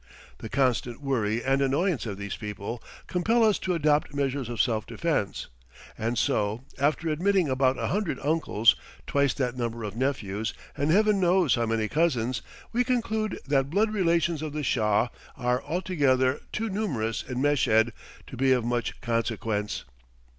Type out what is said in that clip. The constant worry and annoyance of these people compel us to adopt measures of self defence, and so, after admitting about a hundred uncles, twice that number of nephews, and Heaven knows how many cousins, we conclude that blood relations of the Shah are altogether too numerous in Meshed to be of much consequence.